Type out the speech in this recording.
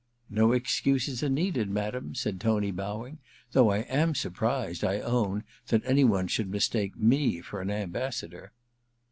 * No excuses are needed, madam,' said Tony, bowing ;^ though I am surprised, I own, that any one should mistake me for an ambassador.'